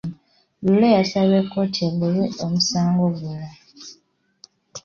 Lure yasabye kkooti egobe omusango guno.